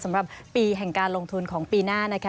สำหรับปีแห่งการลงทุนของปีหน้านะคะ